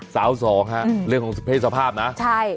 สาวสองฮะอืมเรื่องของเพศภาพนะใช่